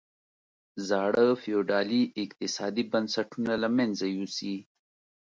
زاړه فیوډالي اقتصادي بنسټونه له منځه یوسي.